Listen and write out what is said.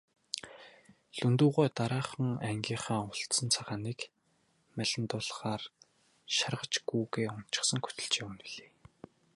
Лхүндэв гуай дараахан нь ангийнхаа улцан цагааныг малиндуулахаар шаргач гүүгээ уначихсан хөтөлж явж билээ.